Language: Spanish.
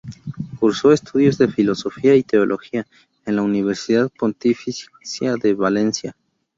Cursó estudios de filosofía y teología en la Universidad Pontificia de Valencia.